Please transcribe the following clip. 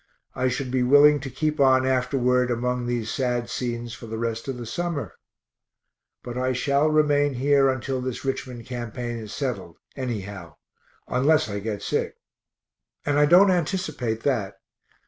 I should be willing to keep on afterward among these sad scenes for the rest of the summer but I shall remain here until this Richmond campaign is settled, anyhow, unless I get sick, and I don't anticipate that.